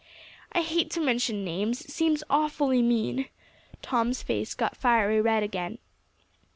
"I hate to mention names; it seems awfully mean." Tom's face got fiery red again.